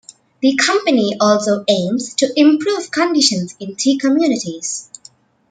The company also aims to improve conditions in tea communities.